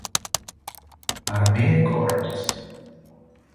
Armee Korps.